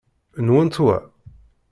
Nwent wa?